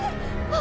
あ！